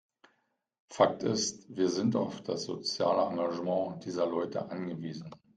Fakt ist, wir sind auf das soziale Engagement dieser Leute angewiesen.